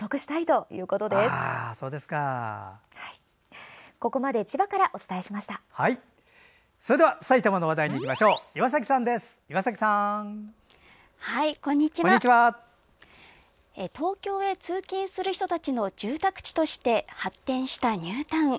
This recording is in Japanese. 東京へ通勤する人たちの住宅地として発展したニュータウン。